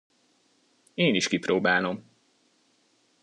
Én is kipróbálom!